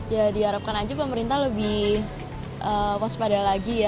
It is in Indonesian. ya diharapkan aja pemerintah lebih kos pada lagi ya